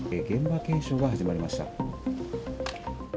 現場検証が始まりました。